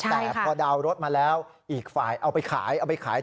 แต่พอดาวน์รถมาแล้วอีกฝ่ายเอาไปขายเอาไปขาย